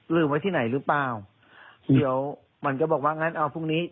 ลืมไว้ที่ไหนหรือเปล่าเดี๋ยวมันก็บอกว่างั้นเอาพรุ่งนี้